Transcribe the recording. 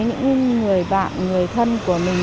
những người bạn người thân của mình